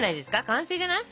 完成じゃない？